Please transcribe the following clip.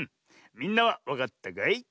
みんなはわかったかい？